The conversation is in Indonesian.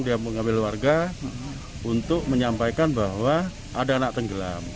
dia mengambil warga untuk menyampaikan bahwa ada anak tenggelam